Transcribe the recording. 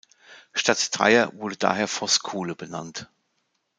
Statt Dreier wurde daher Voßkuhle benannt.